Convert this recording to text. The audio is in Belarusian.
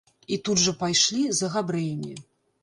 І тут жа пайшлі за габрэямі.